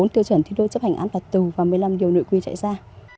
bốn tiêu chuẩn thi đôi chấp hành án phạt tù và một mươi năm điều nội quy chạy ra